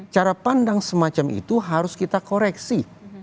cara pandang semacam itu harus kita koreksi